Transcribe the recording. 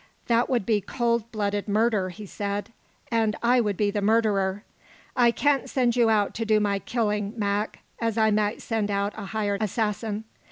"That would be cold blooded murder," he said, "and I would be the murderer. I can't send you out to do my killing, Mac, as I might send out a hired assassin.